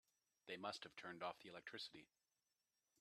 They must have turned off the electricity.